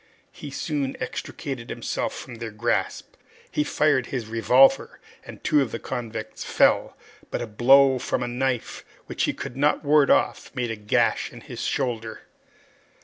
He soon extricated himself from their grasp. He fired his revolver, and two of the convicts fell, but a blow from a knife which he could not ward off made a gash in his shoulder.